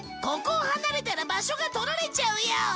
ここを離れたら場所が取られちゃうよ